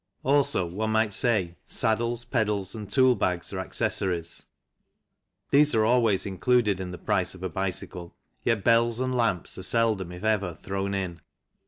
Also, one might say, saddles, pedals, and tool bags are accessories ; these are always included in the price of a bicycle, yet bells and lamps are seldom, if ever, thrown in.